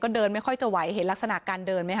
เดินไม่ค่อยจะไหวเห็นลักษณะการเดินไหมค